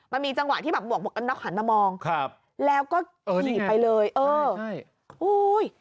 มันมีจังหวะที่หันไปลองบอกงั้นเลย